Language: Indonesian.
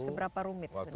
seberapa rumit sebenarnya